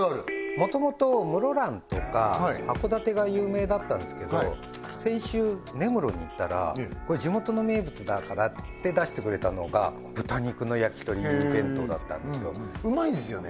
もともと室蘭とか函館が有名だったんですけど先週根室に行ったらこれ地元の名物だからって出してくれたのが豚肉のやきとり弁当だったんですようまいんですよね？